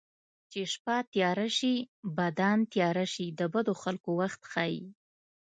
چې شپه تیاره شي بدان تېره شي د بدو خلکو وخت ښيي